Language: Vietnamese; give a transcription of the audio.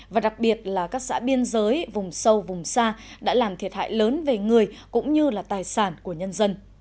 và đặc biệt là các xã biên giới vùng sâu vùng xa đã làm thiệt hại lớn về người cũng như là tài sản của nhân dân